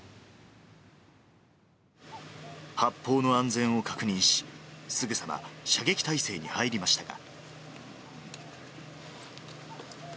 発砲の安全を確認し、すぐさま、射撃体勢に入りましたが。